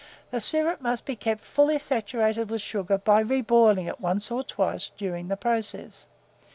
The syrup must be kept fully saturated with sugar by reboiling it once or twice during the process.